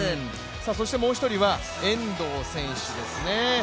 そしてもう一人は遠藤選手ですね。